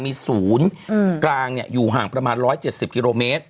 มีศูนย์กลางอยู่ห่างประมาณ๑๗๐กิโลเมตร